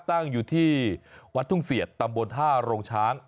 ตั้งอยู่ที่วัดทุ่งเสียดตำบลท่าโรงช้าง